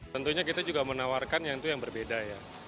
tentunya kita juga menawarkan yang itu yang berbeda ya